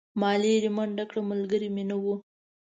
ما لیرې منډه کړه ملګری مې نه و.